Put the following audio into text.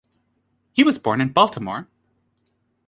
He was born in Baltimore.